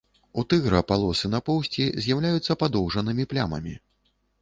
У тыгра палосы на поўсці з'яўляюцца падоўжанымі плямамі.